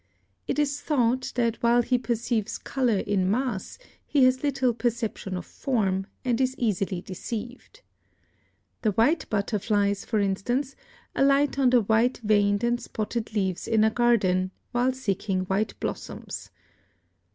It is thought that while he perceives color in mass, he has little perception of form, and is easily deceived. The white butterflies, for instance, alight on the white veined and spotted leaves in a garden, while seeking white blossoms.